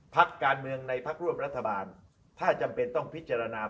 พักการเมืองในพักร่วมรัฐบาลถ้าจำเป็นต้องพิจารณา